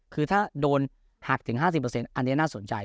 คือถ้าโดนหักถึงห้าสิบเปอร์เซ็นต์อันนี้น่าสนใจ